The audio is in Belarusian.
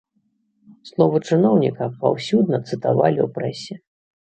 Словы чыноўніка паўсюдна цытавалі ў прэсе.